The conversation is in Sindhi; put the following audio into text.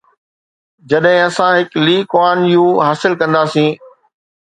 جڏهن اسان هڪ لي ڪوان يو حاصل ڪنداسين؟